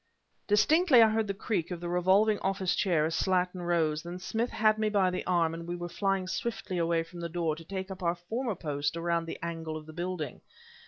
Distinctly I heard the creak of the revolving office chair as Slattin rose; then Smith had me by the arm, and we were flying swiftly away from the door to take up our former post around the angle of the building.